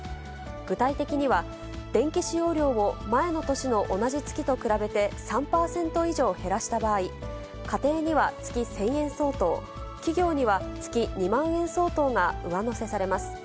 具体的には、電気使用量を前の年の同じ月と比べて３％以上減らした場合、家庭には月１０００円相当、企業には月２万円相当が上乗せされます。